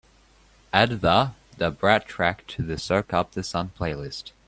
Add the da brat track to the Soak Up The Sun playlist.